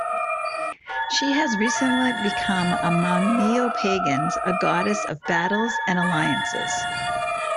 She has recently become among neo-Pagans, a goddess of battles and alliances.